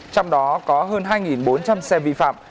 trong đó có hơn hai bốn trăm linh xe vi phạm